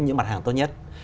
những mặt hàng tốt nhất